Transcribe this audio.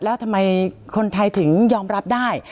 แล้วทำไมคนไทยถึงยอมรับได้